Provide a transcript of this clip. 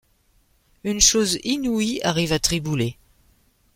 Une chose inouïe arrive à Triboulet.